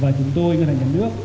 và chúng tôi ngân hàng nhà nước